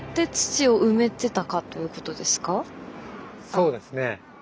そうですね。